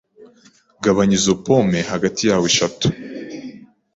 Gabanya izo pome hagati yawe eshatu.